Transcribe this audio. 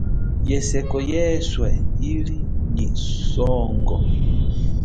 Yeseko yeswe ili nyi songo.